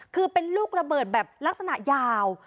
คือเป็นลูกระเบิดแบบลักษณะยาว